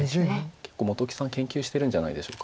結構本木さん研究してるんじゃないでしょうか。